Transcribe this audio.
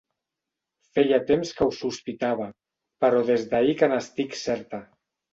Feia temps que ho sospitava, però des d'ahir que n'estic certa.